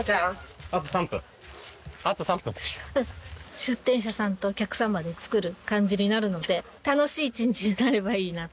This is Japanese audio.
出店者さんとお客様でつくる感じになるので楽しい一日になればいいなと。